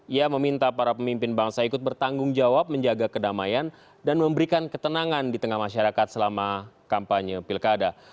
ia meminta para pemimpin bangsa ikut bertanggung jawab menjaga kedamaian dan memberikan ketenangan di tengah masyarakat selama kampanye pilkada